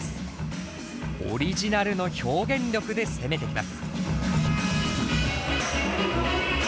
オリジナルの表現力で攻めてきます。